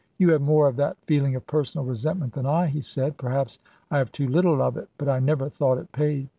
" You have more of that feeling of personal resentment than I," he said. " Perhaps I have too little of it ; but I never thought it paid.